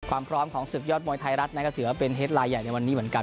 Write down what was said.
ความพร้อมของศึกยอดมวยไทยรัฐนะครับถือว่าเป็นเฮดไลน์ใหญ่ในวันนี้เหมือนกัน